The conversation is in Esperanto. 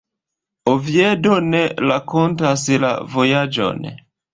Oviedo ne rakontas la vojaĝon.